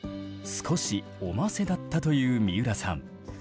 少しおませだったという三浦さん。